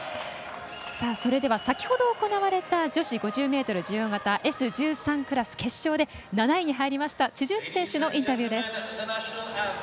それでは先ほど行われた女子５０ｍ自由形Ｓ１３クラス７位に入った辻内選手のインタビューです。